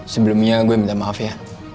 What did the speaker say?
sebelumnya gue minta maaf ya